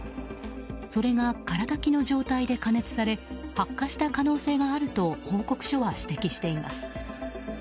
それが、空だきの状態で加熱され発火した可能性があると報告書は指摘しています。